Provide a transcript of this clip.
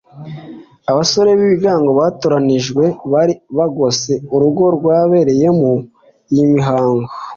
Abasore b’ibigango batoranyijwe bari bagose urugo rwabereyemo iyi mihango